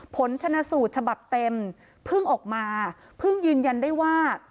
ผลชนะสูตรฉบับเต็มเพิ่งออกมาเพิ่งยืนยันได้ว่า